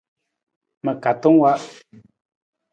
Ma katang wa.